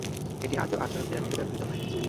এটি আজও আচরণ থেরাপিতে ব্যবহৃত হয়।